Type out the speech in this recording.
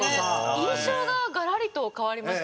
印象が、がらりと変わりました